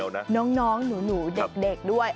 ร่วมไปถึงน้องหนูเด็กด้วย